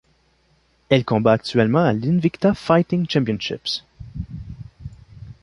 Elle combat actuellement à l'Invicta Fighting Championships.